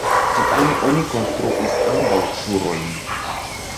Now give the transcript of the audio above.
Tiam oni konstruis ambaŭ turojn.